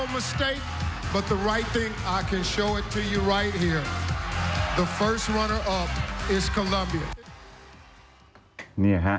มิสฟิลิปปินจะเป็นโครลัมเบียร์